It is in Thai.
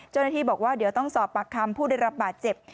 เจ้าหน้าที่บอกว่าเดี๋ยวต้องสอบปากคำผู้ได้รับบาดเจ็บ